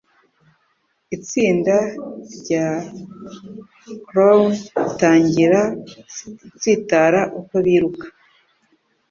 Itsinda rya clown ritangira gutsitara uko biruka